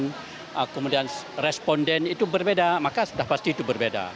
dan kemudian responden itu berbeda maka sudah pasti itu berbeda